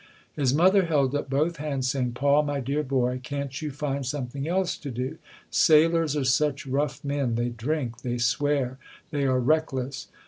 1 His mother held up both hands, saying, "Paul, my dear boy, can't you find something else to do? Sailors are such rough men. They drink, they swear, they are reckless".